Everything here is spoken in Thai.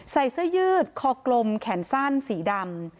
ใส่เสื้อยืดคอกลมแขนสั้นสีดำ